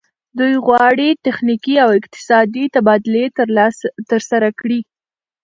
دوی غواړي تخنیکي او اقتصادي تبادلې ترسره کړي